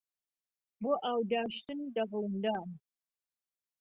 بۆ ئاو داشتن دەغڵ و دان